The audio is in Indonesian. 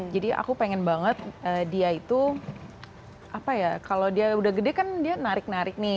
jadi aku pengen banget dia itu apa ya kalau dia udah gede kan dia narik narik nih